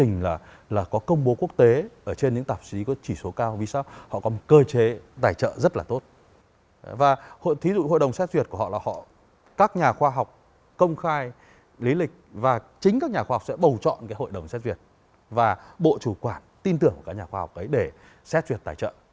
họ là các nhà khoa học công khai lý lịch và chính các nhà khoa học sẽ bầu chọn hội đồng xét duyệt và bộ chủ quản tin tưởng của các nhà khoa học để xét duyệt tài trợ